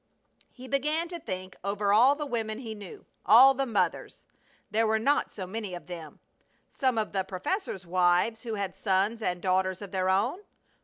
He began to think over all the women he knew all the mothers. There were not so many of them. Some of the professors' wives who had sons and daughters of their own?